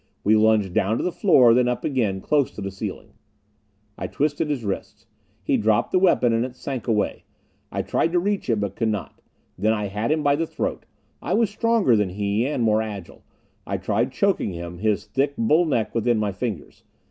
We lunged down to the floor, then up again, close to the ceiling. I twisted his wrists. He dropped the weapon and it sank away. I tried to reach it, but could not. Then I had him by the throat. I was stronger than he, and more agile. I tried choking him, his thick bull neck within my fingers.